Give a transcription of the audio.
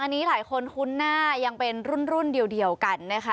อันนี้หลายคนคุ้นหน้ายังเป็นรุ่นเดียวกันนะคะ